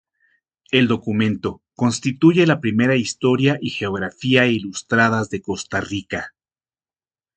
El documento constituye la primera historia y geografía ilustradas de Costa Rica.